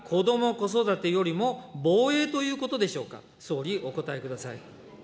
子育てよりも防衛ということでしょうか、総理、お答えください。